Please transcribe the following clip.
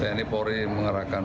tni polri mengarahkan